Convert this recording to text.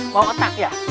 mau otak ya